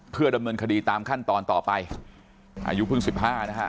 เพื่อดำเนินคดีตามขั้นตอนต่อไปอายุเพิ่งสิบห้านะฮะ